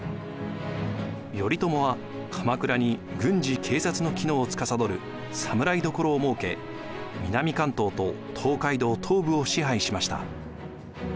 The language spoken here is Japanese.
頼朝は鎌倉に軍事・警察の機能をつかさどる侍所を設け南関東と東海道東部を支配しました。